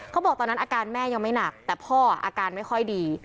ตอนนั้นอาการแม่ยังไม่หนักแต่พ่ออาการไม่ค่อยดี